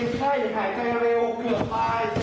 ไม่เหลือราตาติมาได้